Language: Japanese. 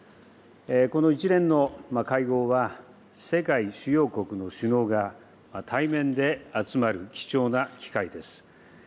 この一連の会合は、世界主要国の首脳が、対面で集まる貴重な機会です。